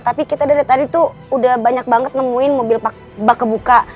tapi kita dari tadi tuh udah banyak banget nemuin mobil bak kebuka